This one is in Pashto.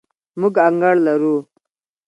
موږ انګړ لرو